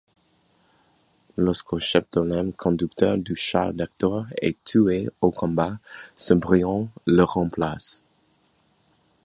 Lorsqu'Archeptolème, conducteur du char d'Hector, est tué au combat, Cébrion le remplace.